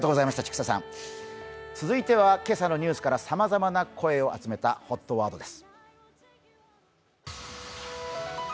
続いては今朝のニュースからさまざまな声を集めたＨＯＴワードです。